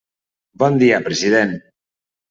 Bon dia, president.